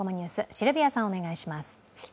シルビアさん、お願いします。